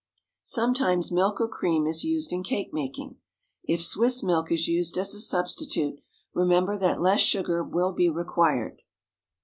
Sometimes milk or cream is used in cake making. If Swiss milk is used as a substitute, remember that less sugar will be required.